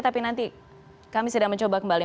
tapi nanti kami sedang mencoba kembali